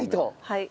はい。